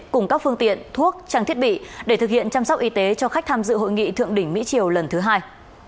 cùng các phương tiện thuốc trang thiết bị để thực hiện chăm sóc y tế cho khách tham dự hội nghị thượng đỉnh mỹ triều lần thứ hai